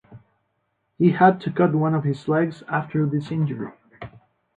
He had to cut one of his legs after this injury.